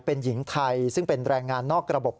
เป็นหญิงไทยซึ่งเป็นแรงงานนอกระบบ